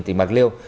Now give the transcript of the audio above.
tỉnh mạc liêu